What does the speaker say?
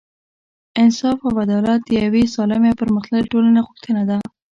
انصاف او عدالت د یوې سالمې او پرمختللې ټولنې غوښتنه ده.